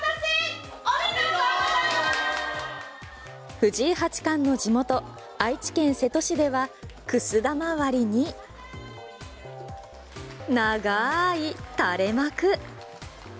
藤井八冠の地元愛知県瀬戸市ではくす玉割りに長い垂れ幕。